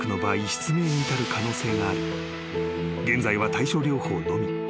失明に至る可能性があり現在は対症療法のみ］